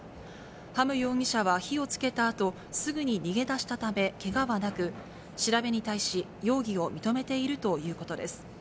ハム容疑者は火をつけたあと、すぐに逃げ出したためけがはなく、調べに対し、容疑を認めているということです。